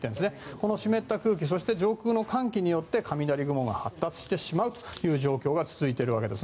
この湿った空気そして上空の寒気によって雷雲が発達してしまうという状況が続いているわけです。